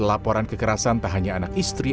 laporan kekerasan tak hanya anak istri